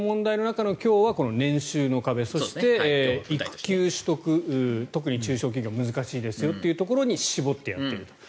そういう複合的な問題の中で今日は年収の壁そして育休取得特に中小企業は難しいですよというところに絞ってやっていると。